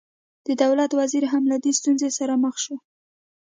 د دولت وزیر هم له دې ستونزې سره مخ شو.